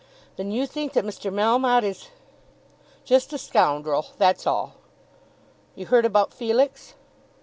"Then you think that Mr. Melmotte is ?" "Just a scoundrel; that's all." "You heard about Felix?"